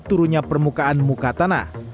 turunnya permukaan muka tanah